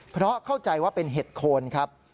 เพราะเข้าใจว่าเป็นเห็ดโคนครับ